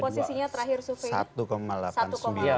posisinya terakhir sufi